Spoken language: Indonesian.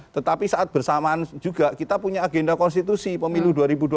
tetapi saat bersamaan juga kita punya agenda konstitusi pemilu dua ribu dua puluh